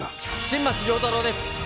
新町亮太郎です